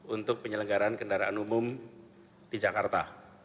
untuk penyelenggaran kendaraan umum di jakarta